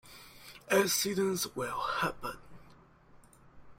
Accidents will happen.